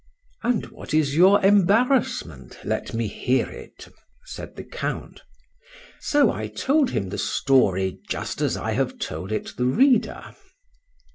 —And what is your embarrassment? let me hear it, said the Count. So I told him the story just as I have told it the reader.